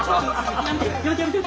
やめて！